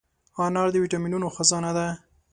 انار د ویټامینونو خزانه ده.